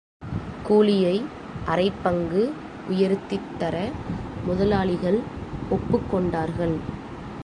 கூலியை அரைப் பங்கு உயர்த்தித் தர முதலாளிகள் ஒப்புக் கொண்டார்கள்.